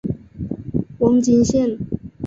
瓮津线